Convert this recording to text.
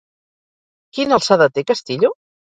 Quina alçada té, Castillo?